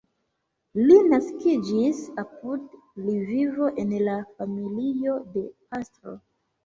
Li naskiĝis apud Lvivo en la familio de pastro.